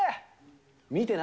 見てな。